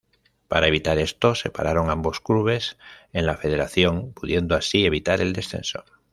Para evitar esto, separaron ambos clubes en la Federación, pudiendo así evitar el descenso.